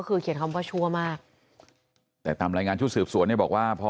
คือเขียนคำว่าชั่วมากแต่ตามรายงานชุดสืบสวนเนี่ยบอกว่าพอ